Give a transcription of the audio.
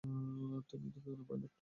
তুমিই তো বিমানের পাইলট!